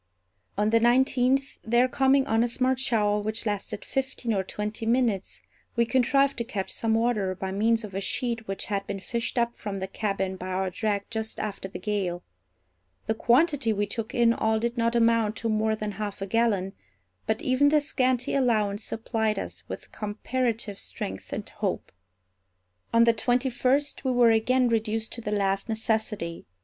On the nineteenth, there coming on a smart shower which lasted fifteen or twenty minutes, we contrived to catch some water by means of a sheet which had been fished up from the cabin by our drag just after the gale. The quantity we took in all did not amount to more than half a gallon; but even this scanty allowance supplied us with comparative strength and hope. On the twenty first we were again reduced to the last necessity.